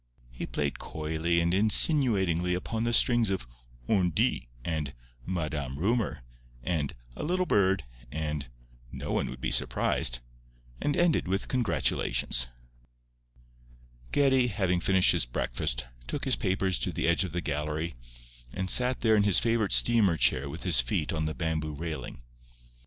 He played coyly and insinuatingly upon the strings of "on dit" and "Madame Rumour" and "a little bird" and "no one would be surprised," and ended with congratulations. Geddie, having finished his breakfast, took his papers to the edge of the gallery, and sat there in his favourite steamer chair with his feet on the bamboo railing.